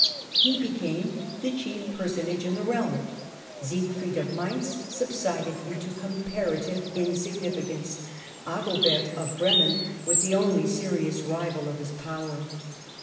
He became the chief personage in the realm. Siegfried of Mainz subsided into comparative insignificance ; Adalbert of Bremen was the only serious rival of his power.